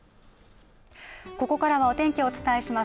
ここからはお天気をお伝えします